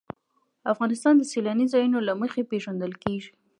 افغانستان د سیلانی ځایونه له مخې پېژندل کېږي.